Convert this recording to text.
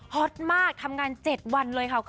ฮอตมากทำงาน๗วันเลยค่ะ